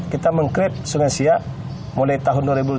kita mengkritik sungai siak mulai tahun dua ribu tiga